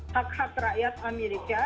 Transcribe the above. hak hak rakyat amerika